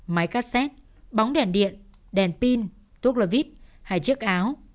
máy cassette bóng đèn điện đèn pin túc lò vít hay chiếc áo